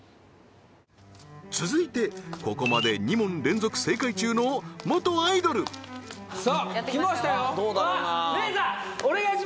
続いてここまで２問連続正解中の元アイドルさあ来ましたよどうだろうな？